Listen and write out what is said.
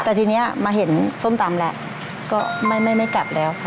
แต่ทีนี้มาเห็นส้มตำแล้วก็ไม่กลับแล้วค่ะ